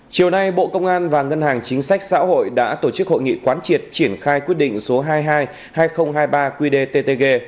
chiều nay bộ công an và ngân hàng chính sách xã hội đã tổ chức hội nghị quán triệt triển khai quyết định số hai mươi hai hai nghìn hai mươi ba qdttg